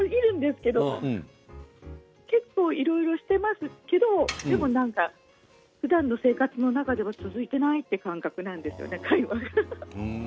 結構いろいろしていますけどでも、なんかふだんの生活の中では続いていないという感覚なんですよね、会話が。